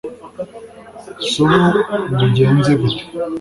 subu mbigenze gute